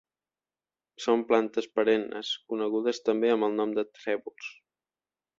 Són plantes perennes, conegudes també amb el nom de trèvols.